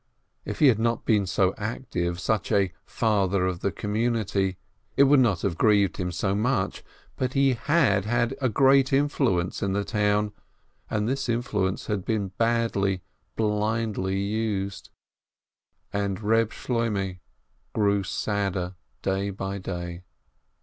If he had not been so active, such a "father of the community," it would not have grieved him so much. But he had had a great influence in the town, and this influence had been badly, blindly used ! And Eeb Shloimeh grew sadder day by day.